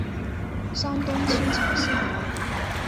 山东青城县人。